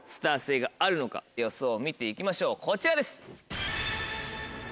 予想見て行きましょうこちらです。